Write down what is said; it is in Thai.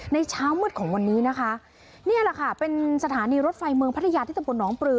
ในเช้ามืดของวันนี้นะคะนี่ล่ะค่ะเป็นสถานีรถไฟมพฤทธิศพลหนองปลือ